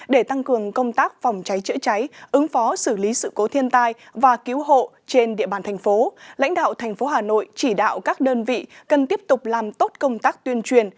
để tăng cường công tác phòng cháy chữa cháy ứng phó xử lý sự cố thiên tai và cứu hộ trên địa bàn thành phố lãnh đạo thành phố hà nội chỉ đạo các đơn vị cần tiếp tục làm tốt công tác tuyên truyền